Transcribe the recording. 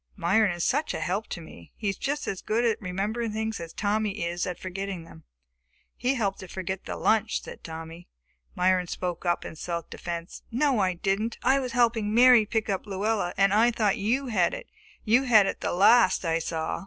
Myron is such a help to me. He is just as good at remembering things as Tommy is at forgetting them." "He helped to forget the lunch," said Tommy. Myron spoke up in self defence. "No, I didn't! I was helping Mary pick up Luella and I thought you had it. You had it the last I saw."